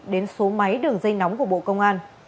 đến số máy đường dây nóng của bộ công an